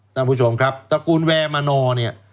ท่านผู้ชมครับตระกูลแวร์มนอร์เนี่ย